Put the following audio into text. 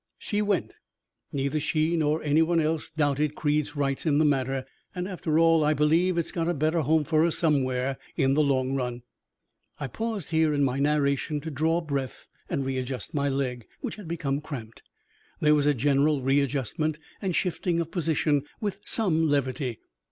She went. Neither she nor anyone else doubted Creed's rights in the matter, and, after all, I believe it got a better home for her somewhere in the long run." I paused here in my narration to draw breath and readjust my leg, which had become cramped. There was a general readjustment and shifting of position, with some levity.